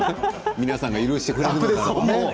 皆さんが許してくれるなら。